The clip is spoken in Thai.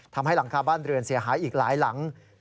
ทำให้หลังคาบ้านเรือนเสียหายอีกหลายหลัง